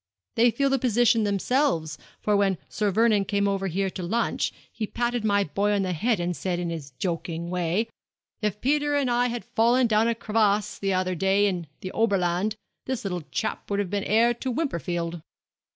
They feel the position themselves; for when Sir Vernon came over here to lunch, he patted my boy on the head and said, in his joking way, "If Peter and I had fallen down a crevasse the other day in the Oberland, this little chap would have been heir to Wimperfield."'